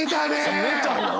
攻めたな！